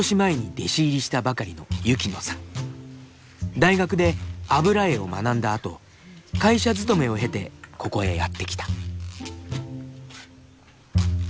大学で油絵を学んだあと会社勤めを経てここへやって来た。